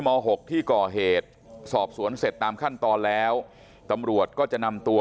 ม๖ที่ก่อเหตุสอบสวนเสร็จตามขั้นตอนแล้วตำรวจก็จะนำตัว